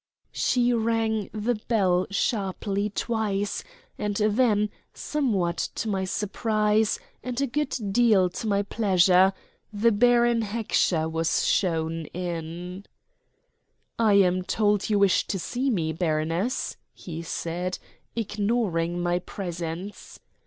She rang the bell sharply twice, and then, somewhat to my surprise, and a good deal to my pleasure, the Baron Heckscher was shown in. "I am told you wish to see me, baroness," he said, ignoring my presence.